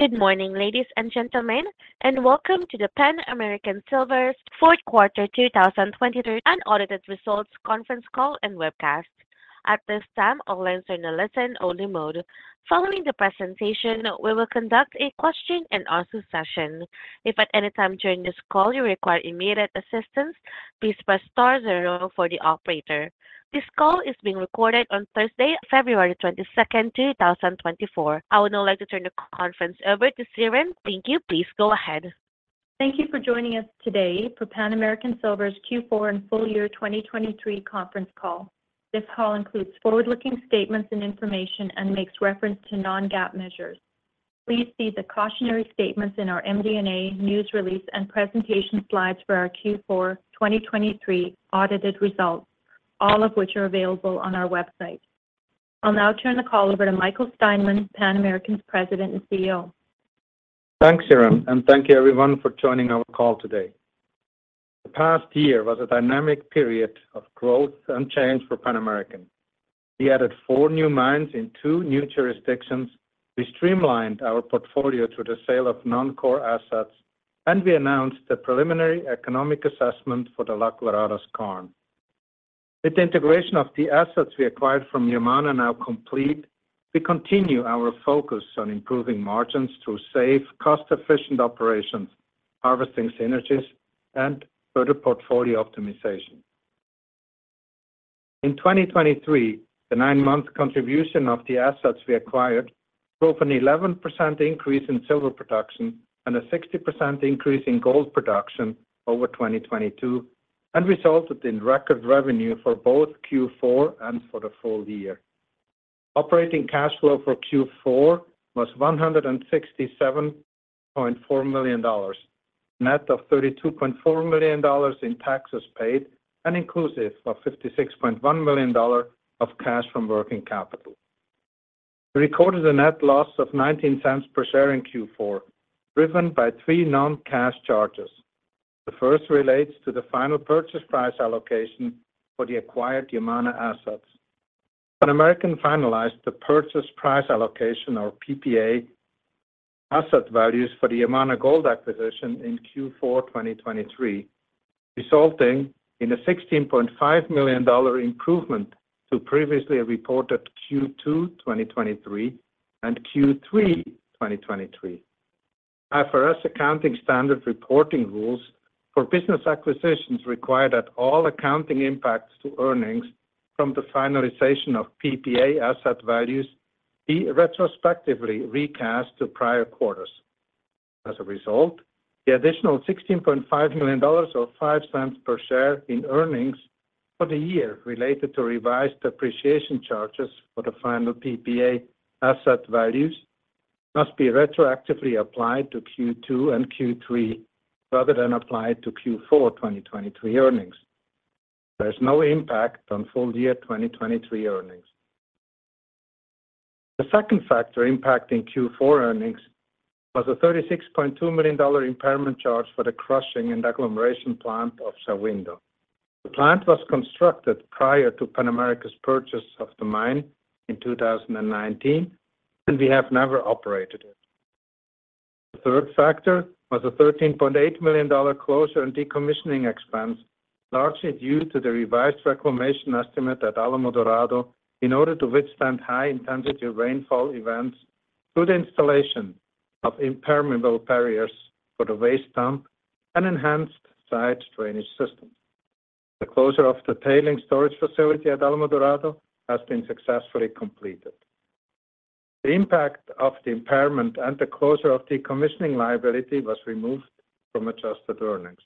Good morning, ladies and gentlemen, and welcome to the Pan American Silver's fourth quarter 2023 unaudited results conference call and webcast. At this time, all lines are in a listen-only mode. Following the presentation, we will conduct a question and answer session. If at any time during this call you require immediate assistance, please press star zero for the operator. This call is being recorded on Thursday, February 22, 2024. I would now like to turn the conference over to Siren. Thank you. Please go ahead. Thank you for joining us today for Pan American Silver's Q4 and full year 2023 conference call. This call includes forward-looking statements and information and makes reference to non-GAAP measures. Please see the cautionary statements in our MD&A, news release, and presentation slides for our Q4 2023 audited results, all of which are available on our website. I'll now turn the call over to Michael Steinmann, Pan American's President and CEO. Thanks, Siren, and thank you everyone for joining our call today. The past year was a dynamic period of growth and change for Pan American. We added four new mines in two new jurisdictions. We streamlined our portfolio through the sale of non-core assets, and we announced the preliminary economic assessment for the La Colorada Skarn. With the integration of the assets we acquired from Yamana now complete, we continue our focus on improving margins through safe, cost-efficient operations, harvesting synergies, and further portfolio optimization. In 2023, the nine-month contribution of the assets we acquired drove an 11% increase in silver production and a 60% increase in gold production over 2022, and resulted in record revenue for both Q4 and for the full year. Operating cash flow for Q4 was $167.4 million, net of $32.4 million in taxes paid and inclusive of $56.1 million of cash from working capital. We recorded a net loss of $0.19 per share in Q4, driven by three non-cash charges. The first relates to the final purchase price allocation for the acquired Yamana assets. Pan American finalized the purchase price allocation or PPA asset values for the Yamana Gold acquisition in Q4 2023, resulting in a $16.5 million improvement to previously reported Q2 2023 and Q3 2023. IFRS accounting standard reporting rules for business acquisitions require that all accounting impacts to earnings from the finalization of PPA asset values be retrospectively recast to prior quarters. As a result, the additional $16.5 million, or $0.05 per share in earnings for the year, related to revised depreciation charges for the final PPA asset values, must be retroactively applied to Q2 and Q3 rather than applied to Q4 2023 earnings. There's no impact on full year 2023 earnings. The second factor impacting Q4 earnings was a $36.2 million impairment charge for the crushing and agglomeration plant of Shahuindo. The plant was constructed prior to Pan American's purchase of the mine in 2019, and we have never operated it. The third factor was a $13.8 million closure and decommissioning expense, largely due to the revised reclamation estimate at Alamo Dorado in order to withstand high intensity rainfall events through the installation of impermeable barriers for the waste dump and enhanced site drainage systems. The closure of the tailings storage facility at Alamo Dorado has been successfully completed. The impact of the impairment and the closure of decommissioning liability was removed from adjusted earnings.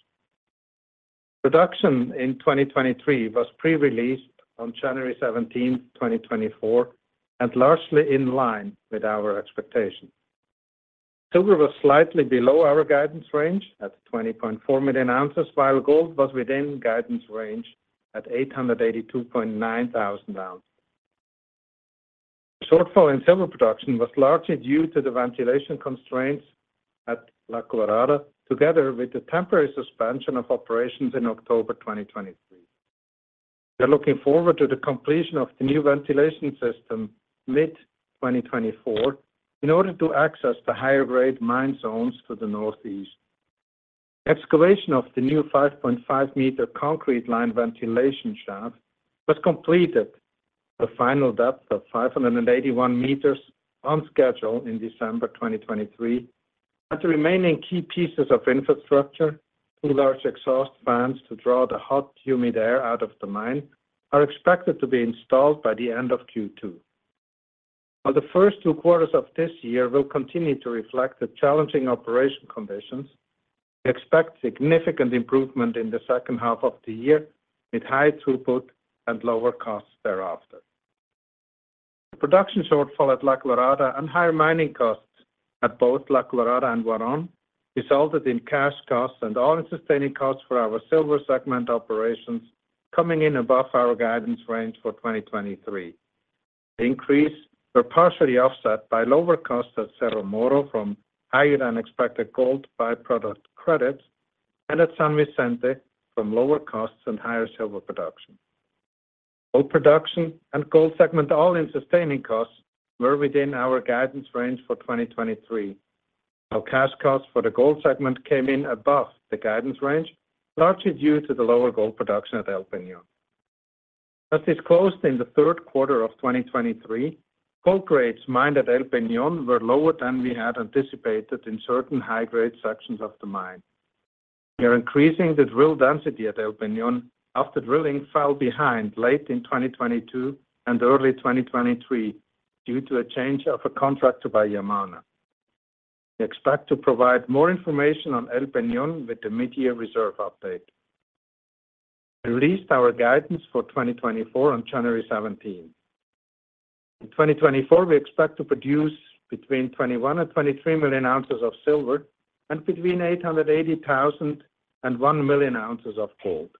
Production in 2023 was pre-released on January 17, 2024, and largely in line with our expectations. Silver was slightly below our guidance range at 20.4 million ounces, while gold was within guidance range at 882.9 thousand ounces. The shortfall in silver production was largely due to the ventilation constraints at La Colorada, together with the temporary suspension of operations in October 2023. We are looking forward to the completion of the new ventilation system mid-2024 in order to access the higher grade mine zones to the northeast. Excavation of the new 5.5-meter concrete-lined ventilation shaft was completed, the final depth of 581 meters on schedule in December 2023, and the remaining key pieces of infrastructure, two large exhaust fans to draw the hot, humid air out of the mine, are expected to be installed by the end of Q2. While the first two quarters of this year will continue to reflect the challenging operation conditions, we expect significant improvement in the second half of the year, with high throughput and lower costs thereafter. The production shortfall at La Colorada and higher mining costs at both La Colorada and Huarón resulted in cash costs and all-in sustaining costs for our silver segment operations coming in above our guidance range for 2023. The increase were partially offset by lower costs at Cerro Moro from higher-than-expected gold by-product credits, and at San Vicente from lower costs and higher silver production. Gold production and gold segment, all-in sustaining costs were within our guidance range for 2023. Our cash costs for the gold segment came in above the guidance range, largely due to the lower gold production at El Peñon. As disclosed in the third quarter of 2023, gold grades mined at El Peñon were lower than we had anticipated in certain high-grade sections of the mine. We are increasing the drill density at El Peñon after drilling fell behind late in 2022 and early 2023 due to a change of a contract by Yamana. We expect to provide more information on El Peñon with the mid-year reserve update. We released our guidance for 2024 on January 17. In 2024, we expect to produce between 21 and 23 million ounces of silver and between 880,000 and 1 million ounces of gold.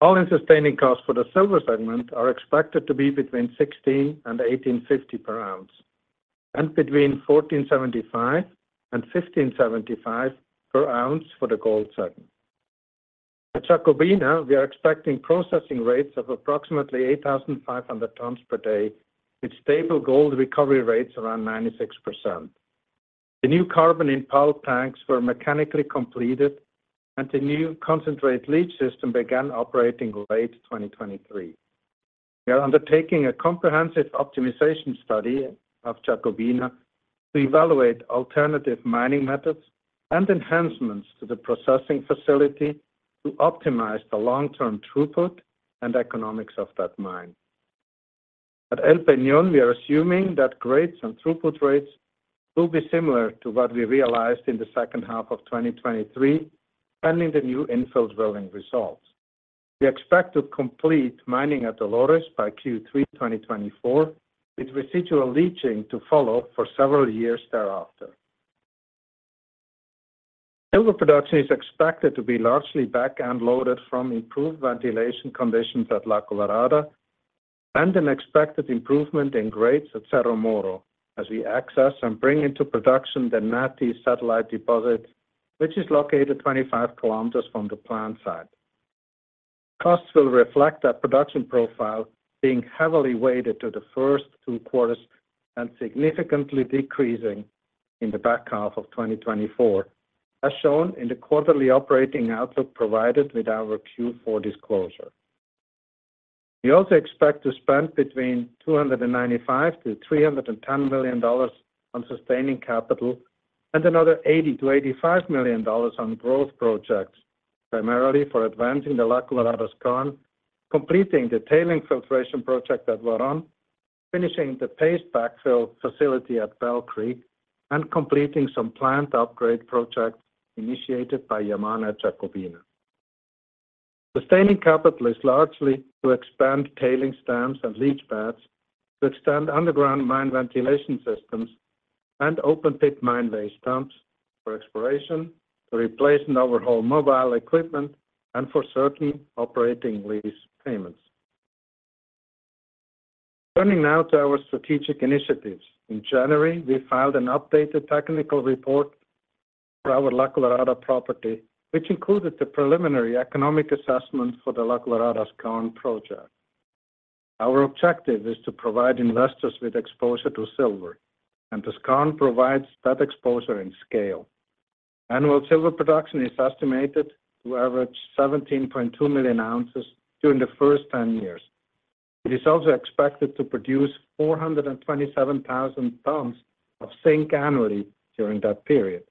All-in sustaining costs for the silver segment are expected to be between $1,650 and $1,850 per ounce, and between $1,475 and $1,575 per ounce for the gold segment. At Jacobina, we are expecting processing rates of approximately 8,500 tons per day, with stable gold recovery rates around 96%. The new carbon-in-pulp tanks were mechanically completed, and the new concentrate leach system began operating late 2023. We are undertaking a comprehensive optimization study of Jacobina to evaluate alternative mining methods and enhancements to the processing facility to optimize the long-term throughput and economics of that mine. At El Peñon, we are assuming that grades and throughput rates will be similar to what we realized in the second half of 2023, pending the new infill drilling results. We expect to complete mining at Dolores by Q3 2024, with residual leaching to follow for several years thereafter. Silver production is expected to be largely back-end loaded from improved ventilation conditions at La Colorada, and an expected improvement in grades at Cerro Moro, as we access and bring into production the Naty satellite deposit, which is located 25 km from the plant site. Costs will reflect that production profile being heavily weighted to the first two quarters and significantly decreasing in the back half of 2024, as shown in the quarterly operating outlook provided with our Q4 disclosure. We also expect to spend between $295 million-$310 million on sustaining capital and another $80 million-$85 million on growth projects, primarily for advancing the La Colorada Skarn, completing the tailing filtration project at Huarón, finishing the paste backfill facility at Bell Creek, and completing some plant upgrade projects initiated by Yamana Jacobina. Sustaining capital is largely to expand tailings dams and leach pads, to extend underground mine ventilation systems and open pit mine waste dumps for exploration, to replace and overhaul mobile equipment, and for certain operating lease payments. Turning now to our strategic initiatives. In January, we filed an updated technical report for our La Colorada property, which included the preliminary economic assessment for the La Colorada Skarn project. Our objective is to provide investors with exposure to silver, and the skarn provides that exposure in scale. Annual silver production is estimated to average 17.2 million ounces during the first 10 years. It is also expected to produce 427,000 tons of zinc annually during that period.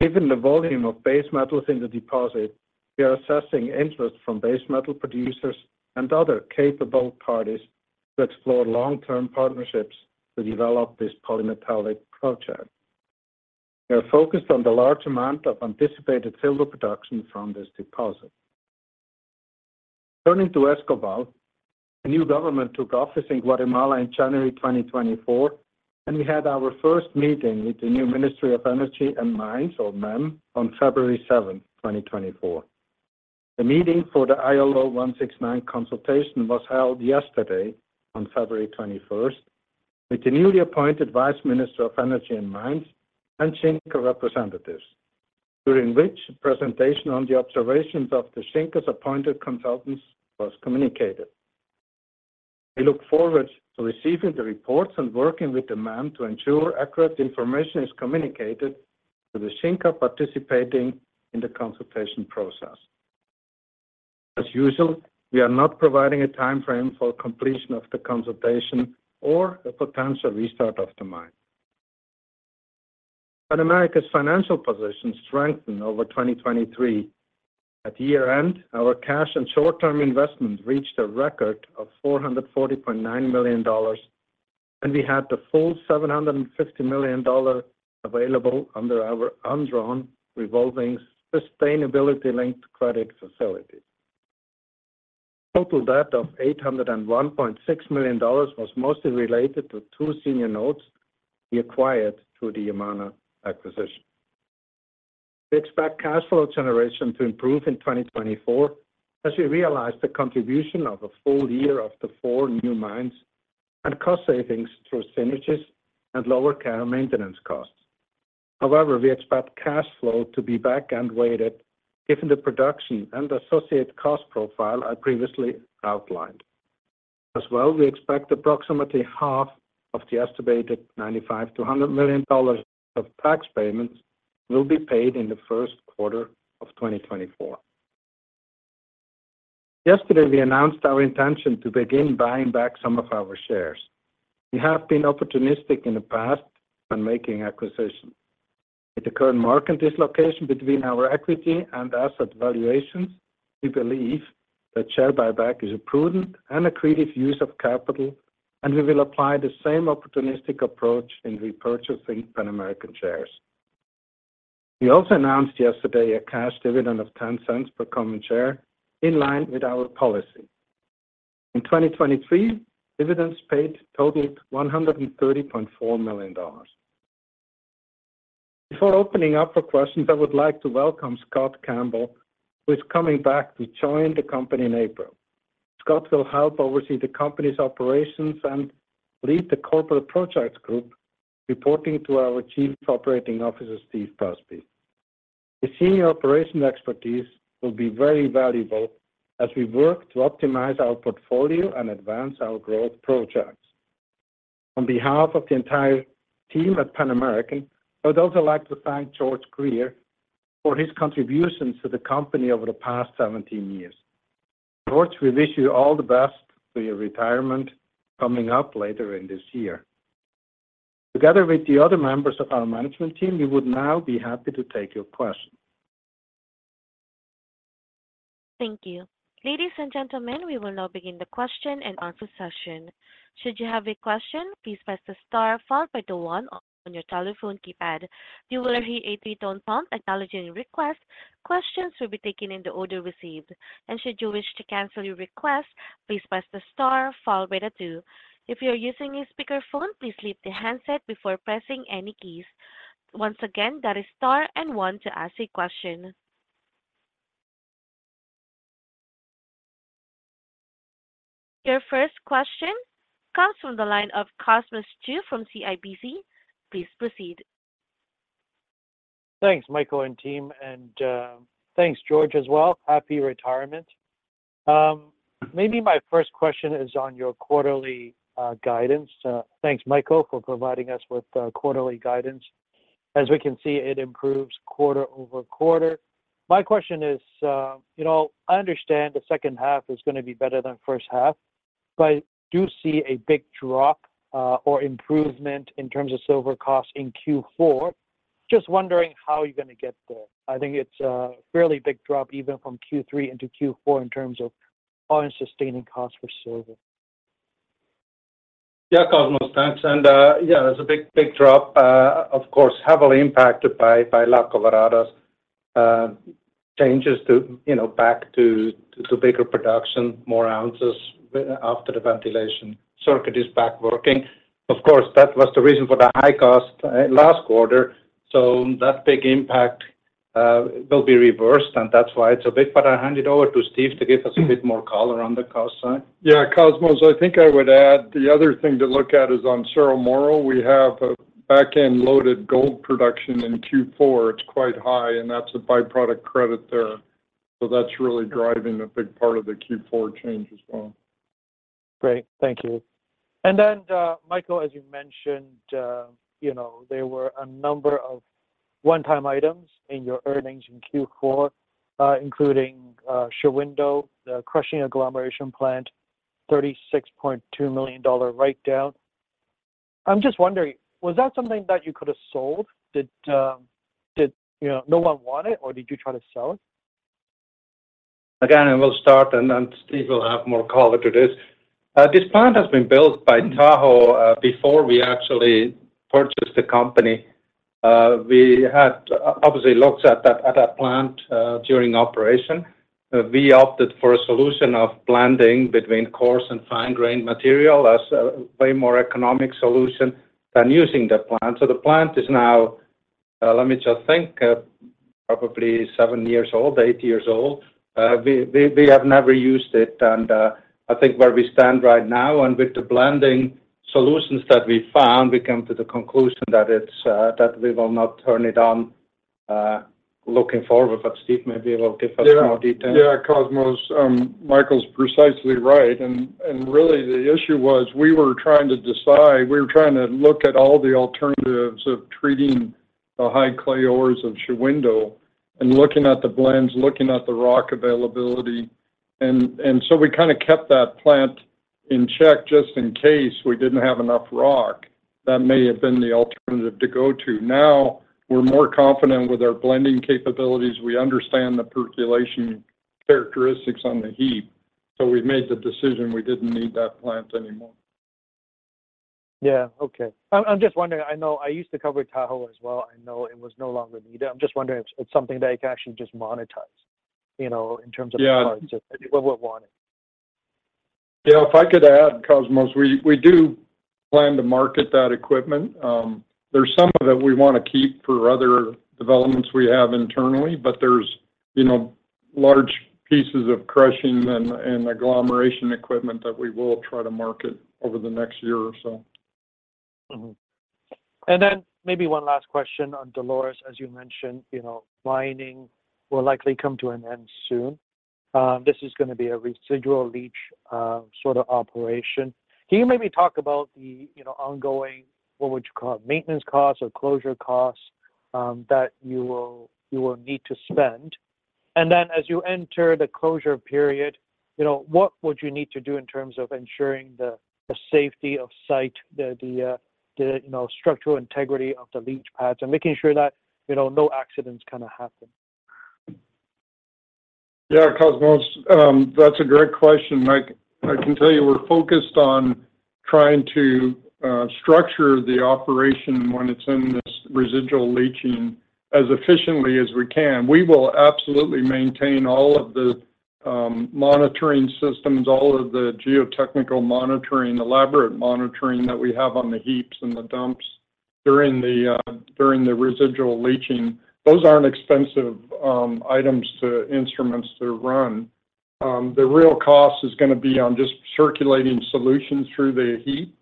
Given the volume of base metals in the deposit, we are assessing interest from base metal producers and other capable parties to explore long-term partnerships to develop this polymetallic project. We are focused on the large amount of anticipated silver production from this deposit. Turning to Escobal, a new government took office in Guatemala in January 2024, and we had our first meeting with the new Ministry of Energy and Mines, or MEM, on February 7, 2024. The meeting for the ILO 169 consultation was held yesterday, on February 21st, with the newly appointed Vice Minister of Energy and Mines and Xinka representatives, during which a presentation on the observations of the Xinka's appointed consultants was communicated. We look forward to receiving the reports and working with the MEM to ensure accurate information is communicated to the Xinka participating in the consultation process. As usual, we are not providing a timeframe for completion of the consultation or a potential restart of the mine. But Pan American's financial position strengthened over 2023. At year-end, our cash and short-term investments reached a record of $440.9 million, and we had the full $750 million available under our undrawn revolving sustainability-linked credit facility. Total debt of $801.6 million was mostly related to two senior notes we acquired through the Yamana acquisition. We expect cash flow generation to improve in 2024 as we realize the contribution of a full year of the four new mines and cost savings through synergies and lower care and maintenance costs. However, we expect cash flow to be back-end weighted, given the production and associated cost profile I previously outlined. As well, we expect approximately half of the estimated $95 million-$100 million of tax payments will be paid in the first quarter of 2024. Yesterday, we announced our intention to begin buying back some of our shares. We have been opportunistic in the past when making acquisitions. With the current market dislocation between our equity and asset valuations, we believe that share buyback is a prudent and accretive use of capital, and we will apply the same opportunistic approach in repurchasing Pan American shares. We also announced yesterday a cash dividend of $0.10 per common share, in line with our policy. In 2023, dividends paid totaled $130.4 million. Before opening up for questions, I would like to welcome Scott Campbell, who is coming back to join the company in April. Scott will help oversee the company's operations and lead the corporate projects group, reporting to our Chief Operating Officer, Steve Busby. His senior operations expertise will be very valuable as we work to optimize our portfolio and advance our growth projects. On behalf of the entire team at Pan American, I'd also like to thank George Greer for his contributions to the company over the past 17 years. George, we wish you all the best for your retirement coming up later in this year. Together with the other members of our management team, we would now be happy to take your questions. Thank you. Ladies and gentlemen, we will now begin the question and answer session. Should you have a question, please press the star followed by the one on your telephone keypad. You will hear a three-tone prompt acknowledging your request. Questions will be taken in the order received, and should you wish to cancel your request, please press the star followed by the two. If you're using a speakerphone, please leave the handset before pressing any keys. Once again, that is star and one to ask a question. Your first question comes from the line of Cosmos Chiu from CIBC. Please proceed. Thanks, Michael and team, and thanks, George, as well. Happy retirement. Maybe my first question is on your quarterly guidance. Thanks, Michael, for providing us with quarterly guidance. As we can see, it improves quarter-over-quarter. My question is, you know, I understand the second half is going to be better than first half, but I do see a big drop or improvement in terms of silver costs in Q4. Just wondering how you're going to get there. I think it's a fairly big drop, even from Q3 into Q4, in terms of all-in sustaining costs for silver. Yeah, Cosmos, thanks. And, yeah, it's a big, big drop, of course, heavily impacted by La Colorada's changes to, you know, back to bigger production, more ounces after the ventilation circuit is back working. Of course, that was the reason for the high cost last quarter. So that big impact will be reversed, and that's why it's so big. But I'll hand it over to Steve to give us a bit more color on the cost side. Yeah, Cosmos, I think I would add the other thing to look at is on Cerro Moro. We have a back-end-loaded gold production in Q4. It's quite high, and that's a byproduct credit there. So that's really driving a big part of the Q4 change as well. Great. Thank you. And then, Michael, as you mentioned, you know, there were a number of one-time items in your earnings in Q4, including, Shahuindo, the crushing agglomeration plant, $36.2 million write-down. I'm just wondering, was that something that you could have sold? Did you know no one want it, or did you try to sell it? Again, I will start, and then Steve will have more color to this. This plant has been built by Tahoe before we actually purchased the company. We had obviously looked at that plant during operation. We opted for a solution of blending between coarse and fine-grained material as a way more economic solution than using the plant. So the plant is now, let me just think, probably seven years old, eight years old. We have never used it, and I think where we stand right now and with the blending solutions that we found, we come to the conclusion that it's that we will not turn it on looking forward. But Steve maybe will give us more details. Yeah, yeah, Cosmos, Michael's precisely right. And really the issue was, we were trying to decide, we were trying to look at all the alternatives of treating the high clay ores of Shahuindo and looking at the blends, looking at the rock availability. And so we kind of kept that plant in check just in case we didn't have enough rock. That may have been the alternative to go to. Now, we're more confident with our blending capabilities. We understand the percolation characteristics on the heap, so we've made the decision we didn't need that plant anymore. Yeah. Okay. I'm, I'm just wondering, I know I used to cover Tahoe as well. I know it was no longer needed. I'm just wondering if it's something that you can actually just monetize, you know, in terms of- Yeah. Parts of what, what want it. Yeah, if I could add, Cosmos, we do plan to market that equipment. There's some of it we want to keep for other developments we have internally, but there's, you know, large pieces of crushing and agglomeration equipment that we will try to market over the next year or so. Mm-hmm. And then maybe one last question on Dolores. As you mentioned, you know, mining will likely come to an end soon. This is gonna be a residual leach, sort of operation. Can you maybe talk about the, you know, ongoing, what would you call it, maintenance costs or closure costs, that you will need to spend? And then as you enter the closure period, you know, what would you need to do in terms of ensuring the structural integrity of the leach pads and making sure that, you know, no accidents kind of happen? Yeah, Cosmos, that's a great question, and I, I can tell you we're focused on trying to structure the operation when it's in this residual leaching as efficiently as we can. We will absolutely maintain all of the monitoring systems, all of the geotechnical monitoring, elaborate monitoring that we have on the heaps and the dumps during the during the residual leaching. Those aren't expensive items instruments to run. The real cost is gonna be on just circulating solutions through the heap.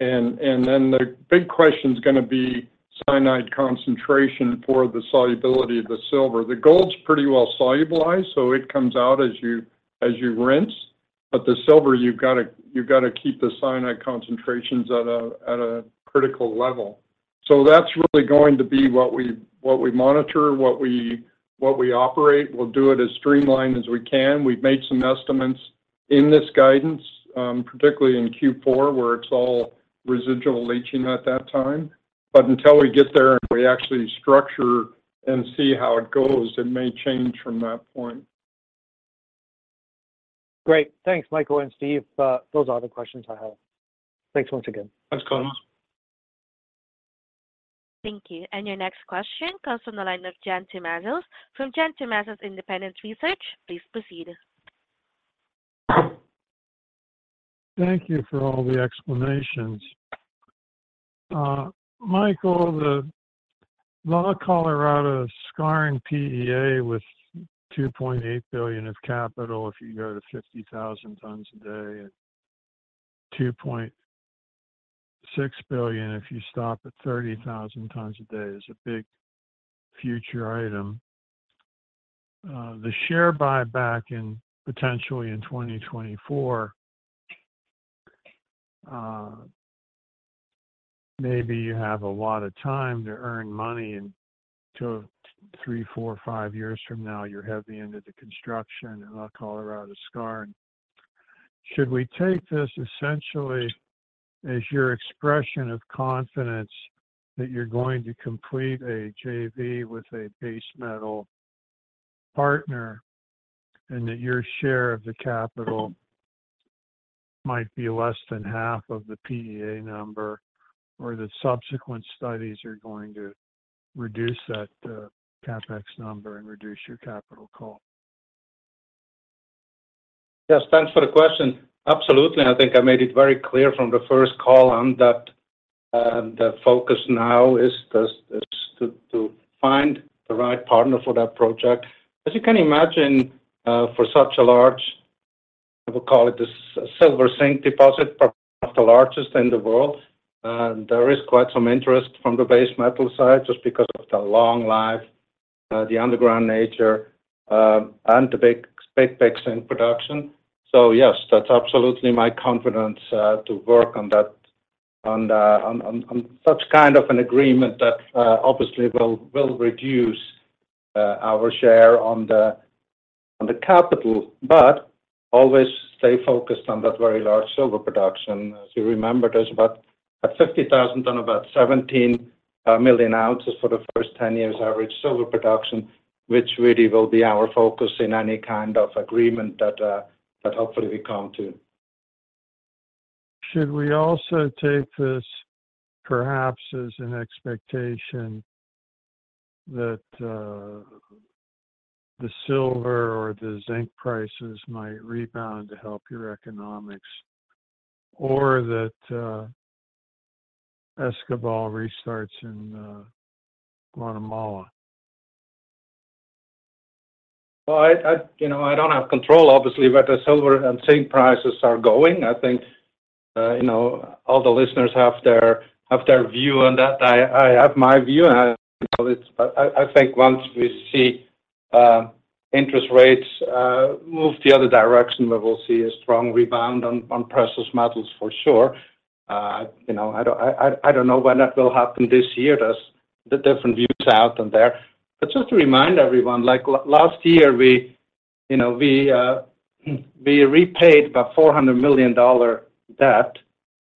And, and then the big question is gonna be cyanide concentration for the solubility of the silver. The gold's pretty well solubilized, so it comes out as you, as you rinse, but the silver, you've got to, you've got to keep the cyanide concentrations at a, at a critical level. That's really going to be what we monitor, what we operate. We'll do it as streamlined as we can. We've made some estimates in this guidance, particularly in Q4, where it's all residual leaching at that time. But until we get there and we actually structure and see how it goes, it may change from that point. Great. Thanks, Michael and Steve. Those are the questions I have. Thanks once again. Thanks, Cosmos. Thank you. Your next question comes from the line of John Tumazos. From John Tumazos Very Independent Research, please proceed. Thank you for all the explanations. Michael, the La Colorada Skarn PEA with $2.8 billion of capital, if you go to 50,000 tons a day, and $2.6 billion if you stop at 30,000 tons a day, is a big future item. The share buyback in potentially in 2024, maybe you have a lot of time to earn money, and so three, four, five years from now, you're heavy into the construction of La Colorada Skarn. Should we take this essentially as your expression of confidence that you're going to complete a JV with a base metal partner, and that your share of the capital might be less than half of the PEA number, or the subsequent studies are going to reduce that, CapEx number and reduce your capital call? Yes, thanks for the question. Absolutely. I think I made it very clear from the first call on that the focus now is just to find the right partner for that project. As you can imagine, for such a large, I would call it the silver zinc deposit, perhaps the largest in the world, there is quite some interest from the base metal side, just because of the long life, the underground nature, and the big, big picks in production. So yes, that's absolutely my confidence to work on that, on such kind of an agreement that obviously will reduce our share on the capital, but always stay focused on that very large silver production. As you remember, there's about a 50,000 ton, about 17 million ounces for the first 10 years average silver production, which really will be our focus in any kind of agreement that that hopefully we come to. Should we also take this perhaps as an expectation that the silver or the zinc prices might rebound to help your economics, or that Escobal restarts in Guatemala? Well, you know, I don't have control, obviously, where the silver and zinc prices are going. I think, you know, all the listeners have their view on that. I have my view, and you know, it's... But I think once we see interest rates move the other direction, we will see a strong rebound on precious metals for sure. You know, I don't know when that will happen this year. There are the different views out there. But just to remind everyone, like last year, you know, we repaid about $400 million debt,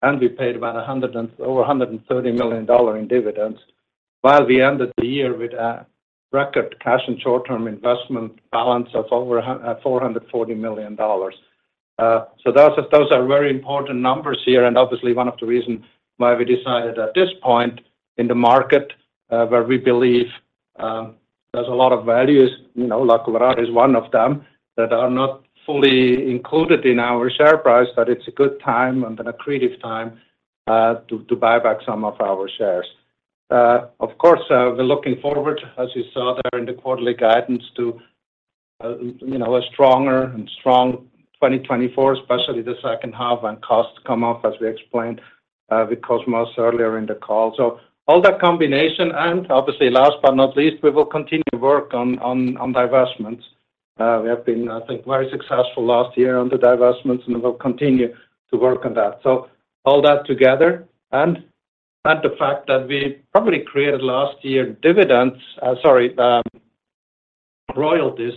and we paid about a hundred and over $130 million in dividends, while we ended the year with a record cash and short-term investment balance of over $440 million. So those are very important numbers here, and obviously one of the reasons why we decided at this point in the market, where we believe there's a lot of values, you know, La Colorada is one of them, that are not fully included in our share price, that it's a good time and an accretive time to buy back some of our shares. Of course, we're looking forward, as you saw there in the quarterly guidance, to you know, a stronger and strong 2024, especially the second half when costs come off, as we explained with Cosmos earlier in the call. So all that combination, and obviously last but not least, we will continue to work on divestments. We have been, I think, very successful last year on the divestments, and we'll continue to work on that. So all that together, and add the fact that we probably created last year dividends, sorry, royalties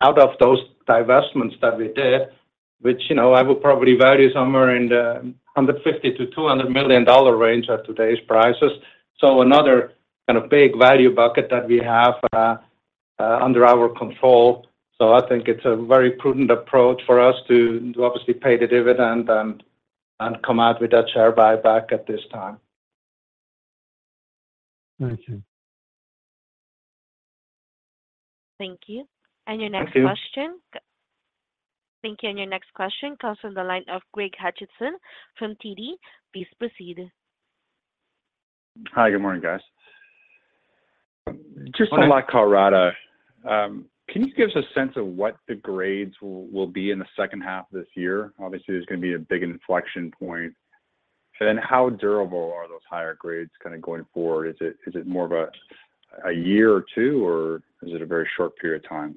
out of those divestments that we did, which, you know, I would probably value somewhere in the $150 million-$200 million range at today's prices. So another kind of big value bucket that we have under our control. So I think it's a very prudent approach for us to obviously pay the dividend and come out with that share buyback at this time. Thank you. Thank you. And your next question- Thank you. Thank you, and your next question comes from the line of Craig Hutchison from TD. Please proceed. Hi, good morning, guys. Just on La Colorada, can you give us a sense of what the grades will be in the second half of this year? Obviously, there's gonna be a big inflection point. And then how durable are those higher grades kind of going forward? Is it more of a year or two, or a very short period of time?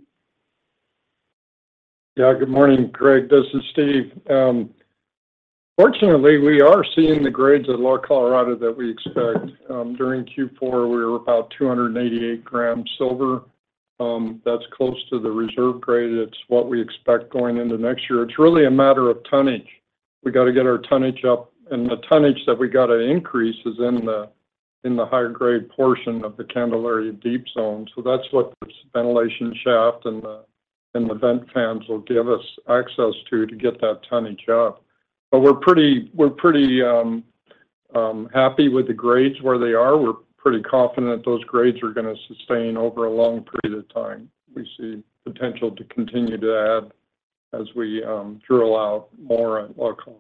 Yeah, good morning, Craig. This is Steve. Fortunately, we are seeing the grades at La Colorada that we expect. During Q4, we were about 288 grams silver. That's close to the reserve grade. It's what we expect going into next year. It's really a matter of tonnage. We got to get our tonnage up, and the tonnage that we got to increase is in the higher grade portion of the Candelaria Deep Zone. So that's what this ventilation shaft and the vent fans will give us access to, to get that tonnage up. But we're pretty happy with the grades where they are. We're pretty confident those grades are gonna sustain over a long period of time. We see potential to continue to add as we drill out more at La Colorada.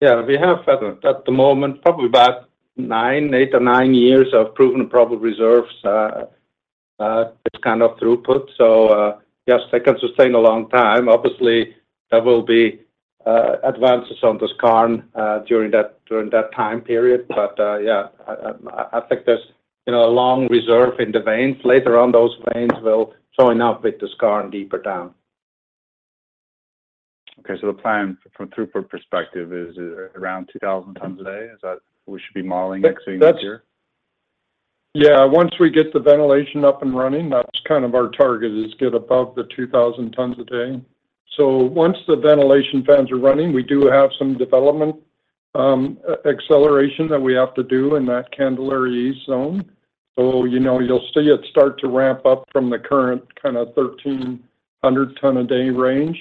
Yeah, we have at the moment, probably about eight or nine years of proven probable reserves, this kind of throughput. So, yes, they can sustain a long time. Obviously, there will be advances on the skarn during that time period. But, yeah, I think there's, you know, a long reserve in the veins. Later on, those veins will join up with the skarn deeper down. Okay, so the plan from throughput perspective is around 2,000 tons a day. Is that we should be modeling next year? Yeah, once we get the ventilation up and running, that's kind of our target, is get above the 2,000 tons a day. So once the ventilation fans are running, we do have some development acceleration that we have to do in that Candelaria East Zone. So, you know, you'll see it start to ramp up from the current kind of 1,300 ton a day range.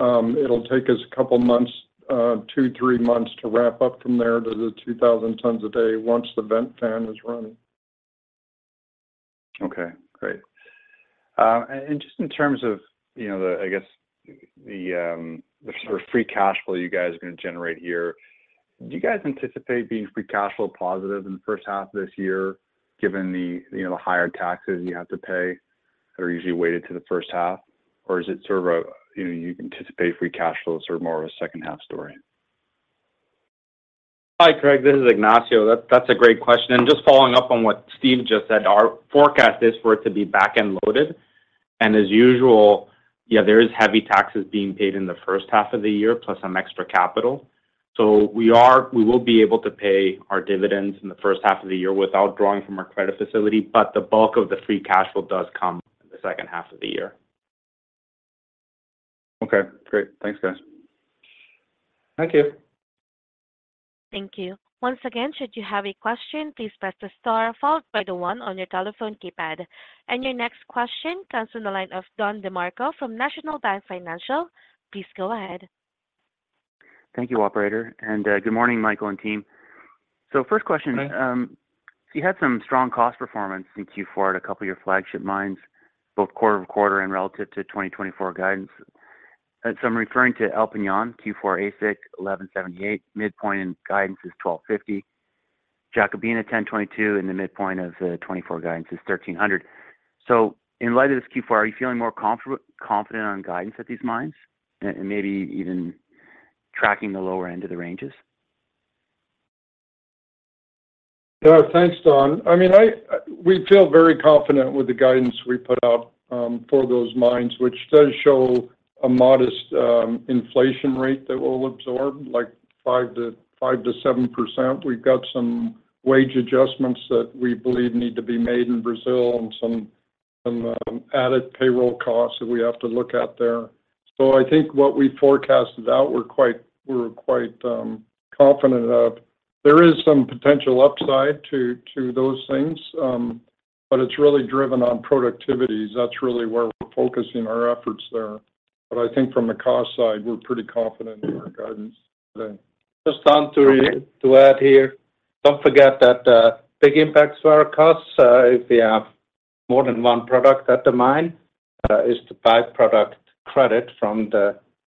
It'll take us a couple months, two, three months to ramp up from there to the 2,000 tons a day once the vent fan is running. Okay, great. And just in terms of, you know, the, I guess, the sort of free cash flow you guys are going to generate here, do you guys anticipate being free cash flow positive in the first half of this year, given the, you know, the higher taxes you have to pay that are usually weighted to the first half? Or is it sort of a, you know, you anticipate free cash flow is sort of more of a second-half story? Hi, Craig, this is Ignacio. That's, that's a great question, and just following up on what Steve just said, our forecast is for it to be back-end loaded. And as usual, yeah, there is heavy taxes being paid in the first half of the year, plus some extra capital. So we will be able to pay our dividends in the first half of the year without drawing from our credit facility, but the bulk of the free cash flow does come in the second half of the year. Okay, great. Thanks, guys. Thank you. Thank you. Once again, should you have a question, please press the star followed by the one on your telephone keypad. Your next question comes from the line of Don DeMarco from National Bank Financial. Please go ahead. Thank you, operator, and good morning, Michael and team. So first question- Hi. You had some strong cost performance in Q4 at a couple of your flagship mines, both quarter-over-quarter and relative to 2024 guidance. So I'm referring to El Peñon Q4 AISC, $1,178, midpoint in guidance is $1,250. Jacobina, $1,022, and the midpoint of the 2024 guidance is $1,300. So in light of this Q4, are you feeling more confident, confident on guidance at these mines and, and maybe even tracking the lower end of the ranges? Thanks, Don. I mean, we feel very confident with the guidance we put out for those mines, which does show a modest inflation rate that we'll absorb, like 5%-7%. We've got some wage adjustments that we believe need to be made in Brazil and some added payroll costs that we have to look at there. So I think what we forecasted out, we're quite confident of. There is some potential upside to those things, but it's really driven on productivities. That's really where we're focusing our efforts there. But I think from a cost side, we're pretty confident in our guidance today. Just Don, to add here, don't forget that big impacts to our costs is the more than one product at the mine is the by-product credit from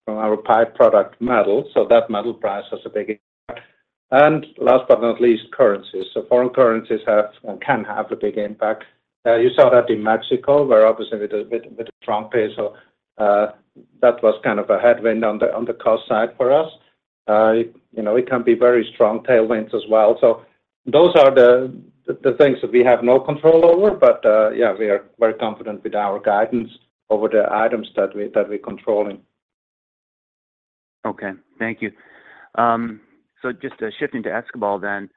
our by-product metal, so that metal price has a big impact. And last but not least, currencies. So foreign currencies can have a big impact. You saw that in Mexico, where obviously with the strong peso that was kind of a headwind on the cost side for us. You know, it can be very strong tailwinds as well. So those are the things that we have no control over, but yeah, we are very confident with our guidance over the items that we're controlling. Okay, thank you. So just shifting to Escobal then,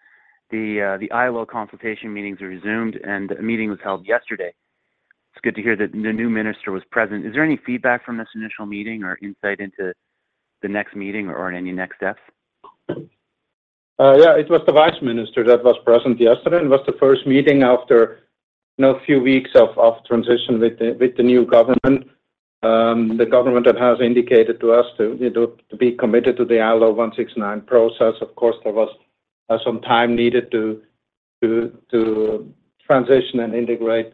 the ILO consultation meetings are resumed, and a meeting was held yesterday. It's good to hear that the new minister was present. Is there any feedback from this initial meeting or insight into the next meeting or on any next steps? Yeah, it was the vice minister that was present yesterday, and it was the first meeting after, you know, a few weeks of transition with the new government. The government that has indicated to us to, you know, to be committed to the ILO 169 process. Of course, there was some time needed to transition and integrate the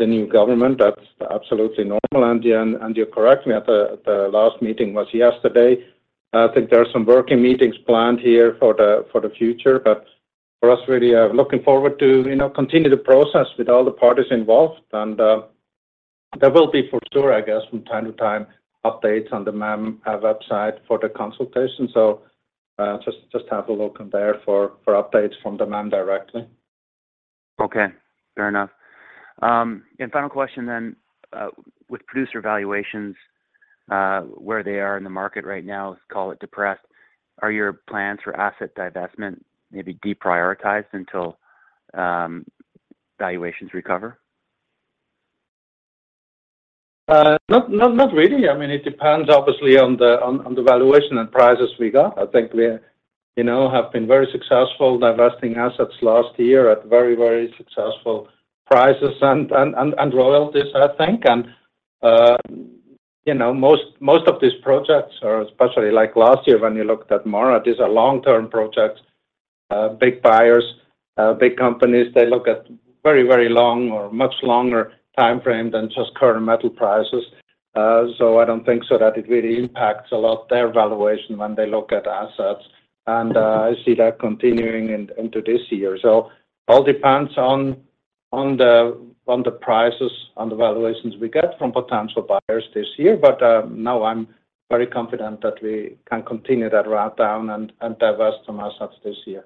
new government. That's absolutely normal. And yeah, and you correct me, the last meeting was yesterday. I think there are some working meetings planned here for the future, but for us, really looking forward to, you know, continue the process with all the parties involved. And there will be for sure, I guess, from time to time, updates on the MEM website for the consultation. So, just have a look in there for updates from the MEM directly. Okay, fair enough. And final question then, with producer valuations, where they are in the market right now, is call it depressed, are your plans for asset divestment maybe deprioritized until valuations recover? Not really. I mean, it depends, obviously, on the valuation and prices we got. I think we, you know, have been very successful divesting assets last year at very, very successful prices and royalties, I think. And, you know, most of these projects are especially like last year when you looked at MARA, these are long-term projects, big buyers, big companies, they look at very, very long or much longer timeframe than just current metal prices. So I don't think so that it really impacts a lot their valuation when they look at assets, and I see that continuing into this year. So all depends on the prices, on the valuations we get from potential buyers this year. But, now I'm very confident that we can continue that route down and divest some assets this year.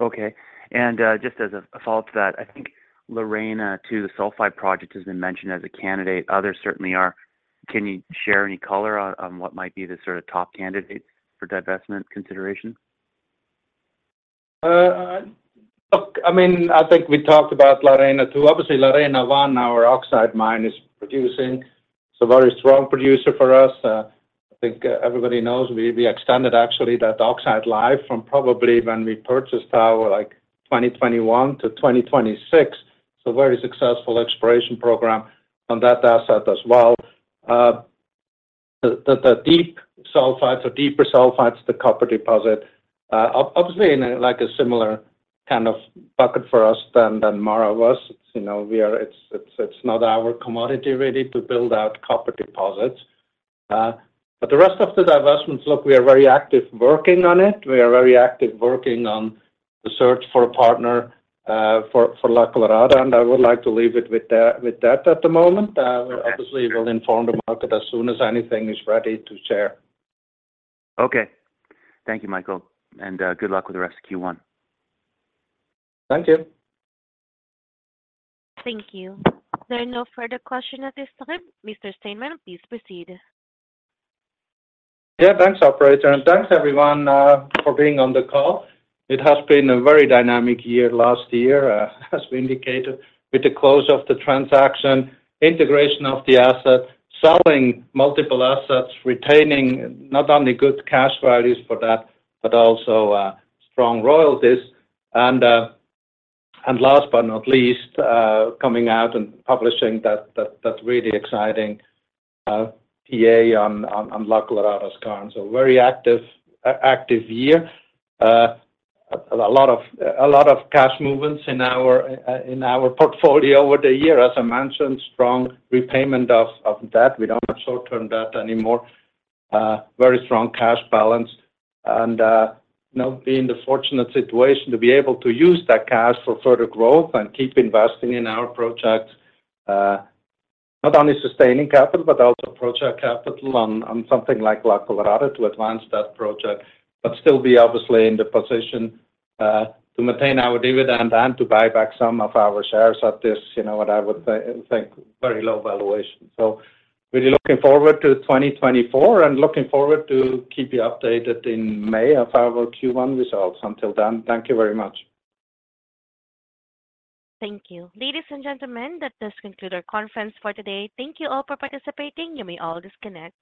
Okay. And, just as a follow-up to that, I think La Arena II Sulfide project has been mentioned as a candidate, others certainly are. Can you share any color on, on what might be the sort of top candidate for divestment consideration? Look, I mean, I think we talked about La Arena II. Obviously, La Arena, our oxide mine, is producing. It's a very strong producer for us. I think everybody knows we, we extended actually that oxide life from probably when we purchased our, like, 2021 to 2026. So very successful exploration program on that asset as well. The deep sulfides or deeper sulfides, the copper deposit, obviously in a like a similar kind of bucket for us than MARA was. You know, we are—it's, it's, it's not our commodity really to build out copper deposits. But the rest of the divestments, look, we are very active working on it. We are very active working on the search for a partner for La Colorada, and I would like to leave it with that, with that at the moment. Obviously, we'll inform the market as soon as anything is ready to share. Okay. Thank you, Michael, and good luck with the rest of Q1. Thank you. Thank you. There are no further questions at this time. Mr. Steinmann, please proceed. Yeah, thanks, operator, and thanks, everyone, for being on the call. It has been a very dynamic year last year, as we indicated, with the close of the transaction, integration of the asset, selling multiple assets, retaining not only good cash values for that, but also strong royalties. And last but not least, coming out and publishing that really exciting PEA on La Colorada Skarn. So very active year. A lot of cash movements in our portfolio over the year. As I mentioned, strong repayment of debt. We don't have short-term debt anymore. Very strong cash balance, and now be in the fortunate situation to be able to use that cash for further growth and keep investing in our projects, not only sustaining capital, but also project capital on, on something like La Colorada to advance that project, but still be obviously in the position to maintain our dividend and to buy back some of our shares at this, you know, what I would say, think, very low valuation. So really looking forward to 2024 and looking forward to keep you updated in May of our Q1 results. Until then, thank you very much. Thank you. Ladies and gentlemen, that does conclude our conference for today. Thank you all for participating. You may all disconnect.